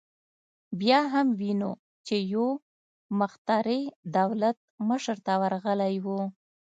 بیا هم وینو چې یو مخترع دولت مشر ته ورغلی و